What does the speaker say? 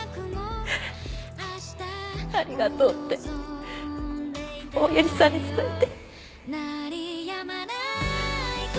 ありがとうっておやじさんに伝えて。